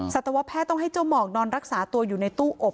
สัตวแพทย์ต้องให้เจ้าหมอกนอนรักษาตัวอยู่ในตู้อบ